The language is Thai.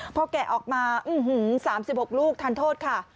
พอแกะออกมาอื้อฮือ๓๖ลูกทันโทษค่ะ